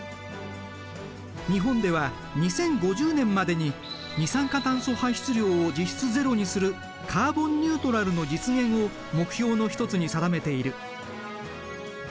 日本では２０５０年までに二酸化炭素排出量を実質ゼロにするカーボンニュートラルの実現を目標の一つに定めている。